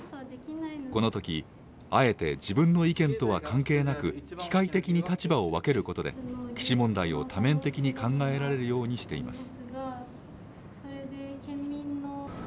このとき、あえて自分の意見とは関係なく、機械的に立場を分けることで、基地問題を多面的に考えられるようにしています。